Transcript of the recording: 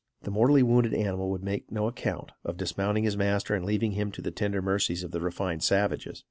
The mortally wounded animal would make no account of dismounting his master and leaving him to the tender mercies of the refined savages.